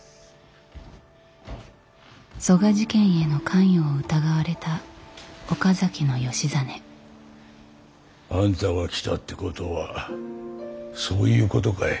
曽我事件への関与を疑われた岡崎義実。あんたが来たってことはそういうことかい。